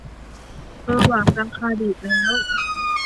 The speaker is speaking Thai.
เออว่ะ ราคาดีดแล้ว